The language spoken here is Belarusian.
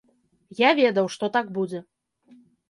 Я ведаў, што так будзе.